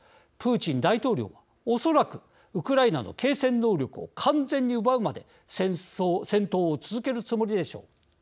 プーチン大統領はおそらくウクライナの継戦能力を完全に奪うまで戦闘を続けるつもりでしょう。